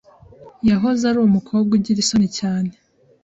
Yahoze ari umukobwa ugira isoni cyane.